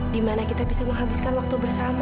dimana kita bisa menghabiskan waktu bersama